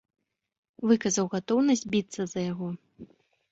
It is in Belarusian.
Выказаў гатоўнасць біцца за яго.